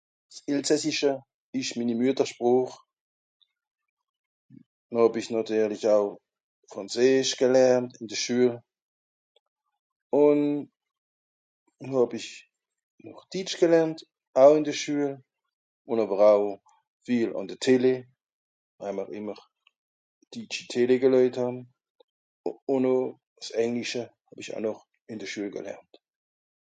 s Elsässische esch minni Muettersproch no hàb ich nàtirlich au Frànzeesch gelernt in de Schuel ùn no hàb ich noch Ditsch gelernt au in de Schuel ùn àwer au viel àn de Télé waj mr ìmmer ditschi Télé gelöjt hàn ùn no s Englische hàw ich au noch ìn de Schuel gelernt